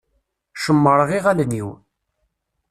Cemmṛeɣ iɣallen-iw.